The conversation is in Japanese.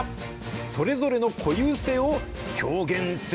それぞれの固有性を表現する。